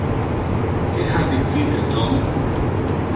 Que ha dicite Tom?